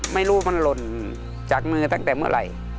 ไม่รู้มันหล่นจากมือตั้งแต่เมื่อไหร่